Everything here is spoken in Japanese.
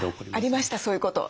ありましたそういうこと。